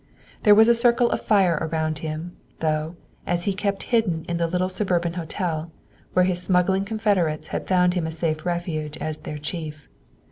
There was a circle of fire around him, though, as he kept hidden in the little suburban hotel, where his smuggling confederates had found him a safe refuge as their chief.